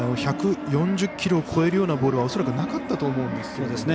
１４０キロを超えるようなボールは恐らくなかったと思うんですが。